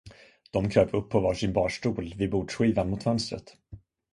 De kröp upp på varsin barstol vid bordsskivan mot fönstret.